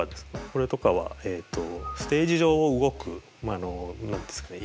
これとかはステージ上を動く何て言うんですかね